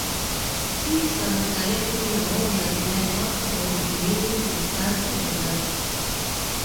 tisa na tarehe kumi na moja Hatimaye mwaka wa elfu mbili na tatu Gaddafi